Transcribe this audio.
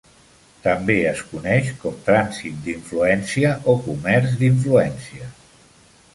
També es coneix com trànsit d'influència o comerç d'influència.